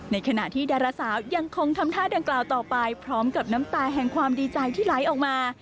ในขณะที่ดาราสาวยังคงทำท่าดังกล่าวต่อไปพร้อมกับน้ำตาแห่งความดีใจที่ไหลออกมา